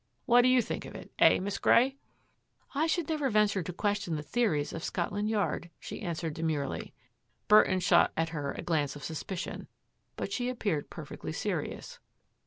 What do you think of it, eh. Miss Grey? "I should never venture to question the theories of Scotland Yard," she answered demurely. Burton shot at her a glance of suspicion, but she appeared perfectly serious.